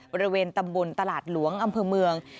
บริเวณตำบลตลาดหลวงอำเภอเมือง